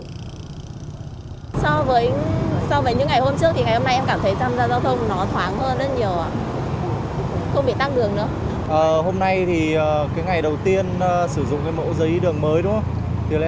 so với những ngày hôm trước thì ngày hôm nay em cảm thấy giao thông nó thoáng hơn rất nhiều không bị tăng đường nữa